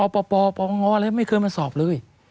ป่อป่อง้อเลยไม่เคยมาสอบเลย